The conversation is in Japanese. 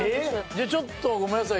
ちょっとごめんなさい。